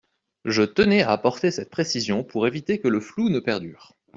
Je tenais à apporter cette précision pour éviter que le flou ne perdure.